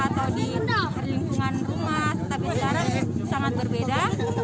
atau di lingkungan rumah tapi sekarang sangat berbeda